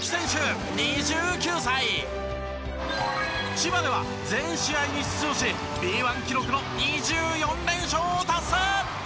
千葉では全試合に出場しＢ１記録の２４連勝を達成！